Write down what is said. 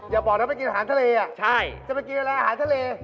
อย่าบอกนะไปกินอาหารทะเลอ่ะใช่จะไปกินอะไรอาหารทะเล